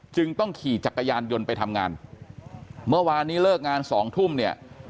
จึงต้องขี่จักรยานยนต์ไปทำงานเมื่อวานนี้เลิกงานสองทุ่มเนี่ย